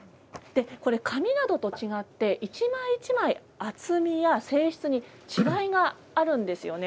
これ、紙などと違って一枚一枚、厚みや性質に違いがあるんですよね。